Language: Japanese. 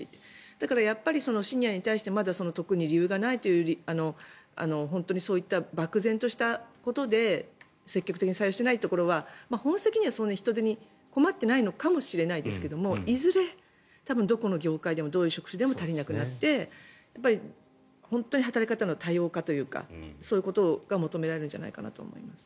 だからやっぱりシニアに対して特に理由がないという本当にそういった漠然としたことで積極的に採用していないところは本質的には人手に困ってないのかもしれないですけどいずれ多分、どこの業界でもどういう職種でも足りなくなって本当に働き方の多様化というかそういうことが求められるんじゃないかと思います。